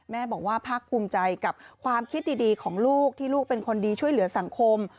แม่บอกว่าภาคภูมิใจกับความคิดดีของลูกที่ลูกเป็นคนดีช่วยเหลือสังคม